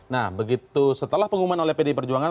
nah begitu setelah pengumuman oleh pdi perjuangan